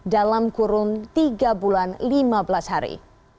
dalam kurun tiga bulan lima belas hari